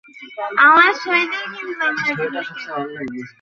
Data science নিয়ে সবার আগ্রহের যেন শেষ নেই।